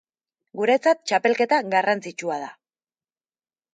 Guretzat txapelketa garrantzitsua da.